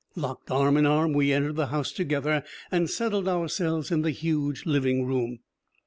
Locked arm in arm, we entered the house together, and settled ourselves in the huge living room.